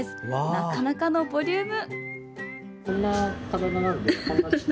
なかなかのボリューム！